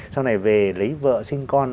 sau này về lấy vợ sinh con